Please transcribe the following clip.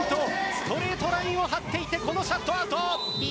ストレートラインを張っていてこのシャットアウト。